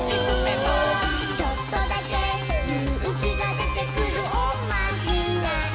「ちょっとだけゆうきがでてくるおまじない」